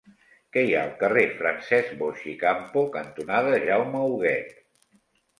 Què hi ha al carrer Francesc Boix i Campo cantonada Jaume Huguet?